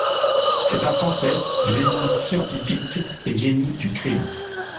C'est un Français, génie scientifique et génie du crime.